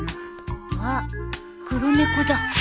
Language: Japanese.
あっ黒猫だ。